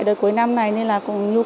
đợt cuối năm này nên là nhu cầu